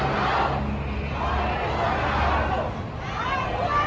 สิ่งที่นองมันขอบค์รภัย